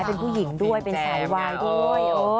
เป็นผู้หญิงด้วยเป็นสายวายด้วย